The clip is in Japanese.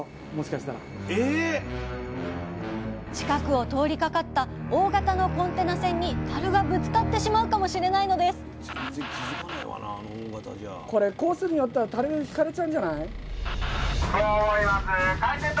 近くを通りかかった大型のコンテナ船にたるがぶつかってしまうかもしれないのです了解。